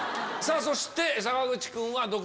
そして坂口君は。